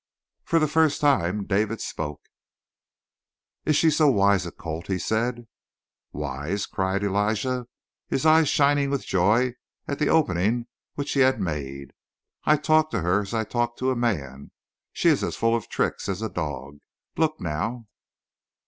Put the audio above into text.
For the first time David spoke. "Is she so wise a colt?" he said. "Wise?" cried Elijah, his eye shining with joy at the opening which he had made. "I talk to her as I talk to a man. She is as full of tricks as a dog. Look, now!"